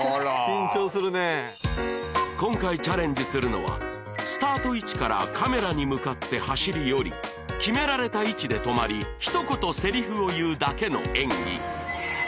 緊張するね今回チャレンジするのはスタート位置からカメラに向かって走り寄り決められた位置で止まり一言セリフを言うだけの演技